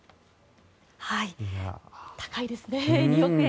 高いですね、２億円。